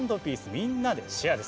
みんなでシェア！」です。